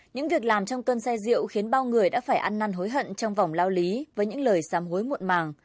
những việc làm trong cơn say rượu khiến bao người đã phải ăn năn hối hận trong vòng lao lý với những lời xám hối muộn màng